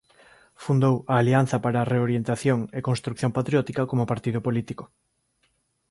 Fundou a "Alianza para a Reorientación e Construción Patriótica" como partido político.